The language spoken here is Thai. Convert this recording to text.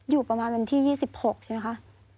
อยู่ประมาณวันที่๒๖ใช่ไหมคะ